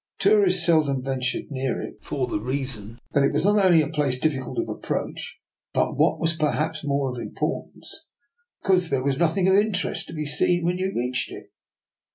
Tourists seldom ventured near it, for the reason that it was not only a DR. NIKOLA'S EXPERIMENT. 153 place difficult of approach, but, what was per haps of more importance, because there was nothing of interest to be seen when you reached it.